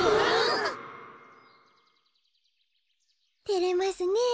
てれますねえ。